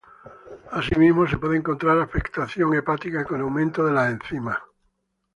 Asimismo se puede encontrar afectación hepática con aumento de las enzimas.